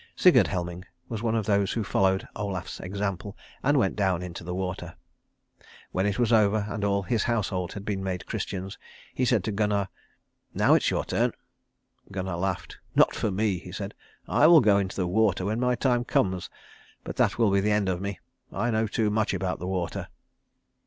Sigurd Helming was one of those who followed Olaf's example, and went down into the water. When it was over and all his household had been made Christians, he said to Gunnar, "Now it's your turn." Gunnar laughed. "Not for me," he said. "I will go into the water when my time comes, but that will be the end of me. I know too much about the water."